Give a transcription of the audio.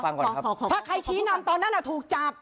ถ้าใครชี้นำตอนนั้นถูกจับ